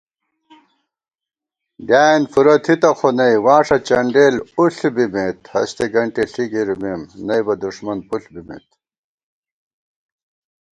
ڈیایېن فُورہ تھِتہ خو نئ واݭہ چنڈیل اُݪ بِمېت * ہستےگنٹےݪی گِرِمېم نئبہ دُݭمن پُݪ بِمېت